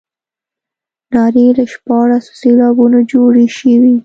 نارې له شپاړسو سېلابونو جوړې شوې.